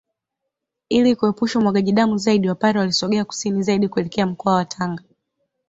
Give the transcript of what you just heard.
Ili kuepusha umwagaji damu zaidi Wapare walisogea kusini zaidi kuelekea mkoa wa Tanga